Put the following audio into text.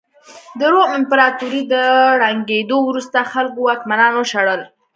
د روم امپراتورۍ له ړنګېدو وروسته خلکو واکمنان وشړل